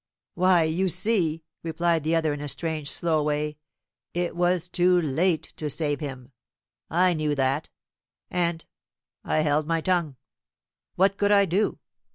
"Why, you see," replied the other, in a strange slow way, "it was too late to save him: I knew that, and I held my tongue. What could I do?